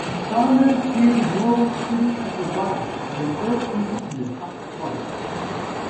Saunders steered Norwich City to survival in their first season in the top flight.